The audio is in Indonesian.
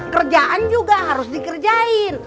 kerjaan juga harus dikerjain